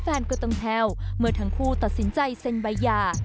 แฟนก็ต้องแฮวเมื่อทั้งคู่ตัดสินใจเซ็นใบหย่า